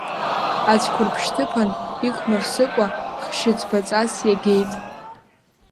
Ацәқәырԥ шьҭыԥан, иқәмырсыкәа, хьшьыцбаҵас иагеит.